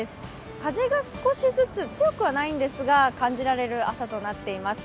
風が少しずつ、強くはないんですが感じられる朝となっています。